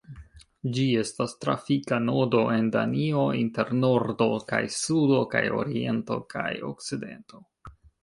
Ĝi estas trafika nodo en Danio inter nordo kaj sudo kaj oriento kaj okcidento.